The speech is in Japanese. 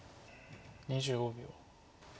２５秒。